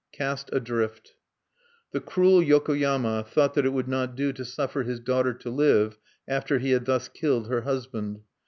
CAST ADRIFT The cruel Yokoyama thought that it would not do to suffer his daughter to live, after he had thus killed her husband.